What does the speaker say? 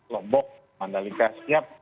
lombok mandalika siap